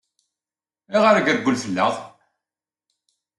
Ayɣer i ireggel fell-aɣ?